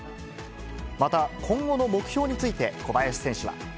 また、今後の目標について、小林選手は。